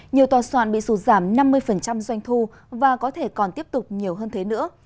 nhiều tòa soạn bị sụt giảm năm mươi doanh thu và có thể còn tiếp tục nhiều hơn thế nữa